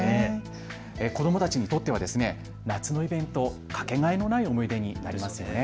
子どもたちにとっては夏のイベント、かけがえのない思い出になりますよね。